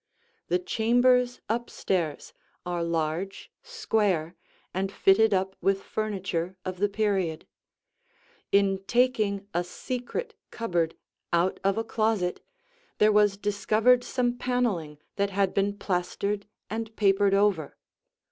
The chambers up stairs are large, square, and fitted up with furniture of the period. In taking a "secret" cupboard out of a closet, there was discovered some paneling that had been plastered and papered over.